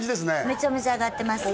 めちゃめちゃ上がってます